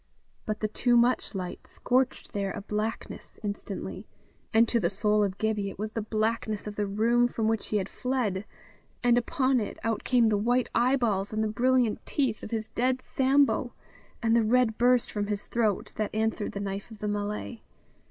But the too much light scorched there a blackness instantly; and to the soul of Gibbie it was the blackness of the room from which he had fled, and upon it out came the white eyeballs and the brilliant teeth of his dead Sambo, and the red burst from his throat that answered the knife of the Malay.